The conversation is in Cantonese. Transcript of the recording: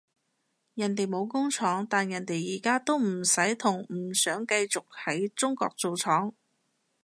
人哋冇工廠，但人哋而家都唔使同唔想繼續喺中國做廠